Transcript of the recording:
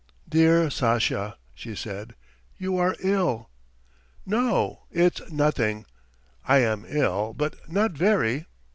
"Dear Sasha," she said, "you are ill." "No, it's nothing, I am ill, but not very